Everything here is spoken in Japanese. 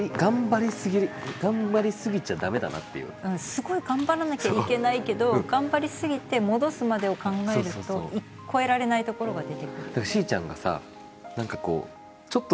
すごい頑張らなきゃいけないけど頑張りすぎて戻すまでを考えると超えられないところが出てくる。